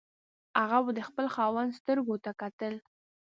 هغه به د خپل خاوند سترګو ته کتل.